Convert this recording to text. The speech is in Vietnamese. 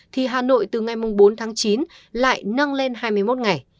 thì hà nội từ ngày bốn tháng chín lại nâng lên hai mươi một ngày